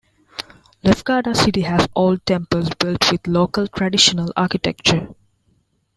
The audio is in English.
Lefkada City has old temples built with local traditional architecture.